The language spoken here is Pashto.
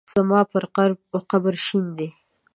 زما پر قبر شیندي